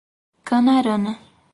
Canarana